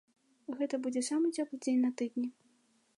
Гэта будзе самы цёплы дзень на тыдні.